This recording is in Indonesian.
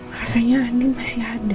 rasanya anding masih ada